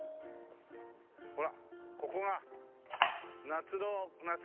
ほらここが夏の雲公園！